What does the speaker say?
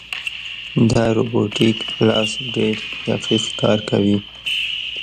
دا روبوټیک لاس ډېر دقیق کار کوي.